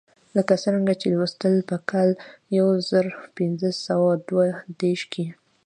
لکه څرنګه چې ولوستل په کال یو زر پنځه سوه دوه دېرش کې.